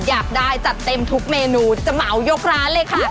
จัดเต็มทุกเมนูจะเหมายกร้านเลยค่ะ